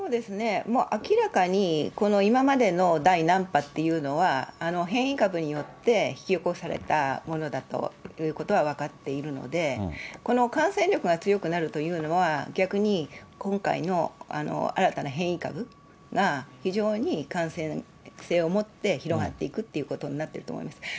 明らかに今までの第何波っていうのは、変異株によって引き起こされたものだということは分かっているので、この感染力が強くなるというのは、逆に今回の新たな変異株が、非常に感染性を持って広がっていくということになっていると思います。